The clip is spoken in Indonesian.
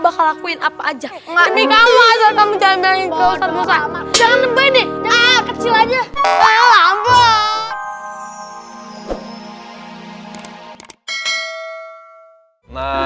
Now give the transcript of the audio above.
akan lakuin apa aja kamu jangan kecil aja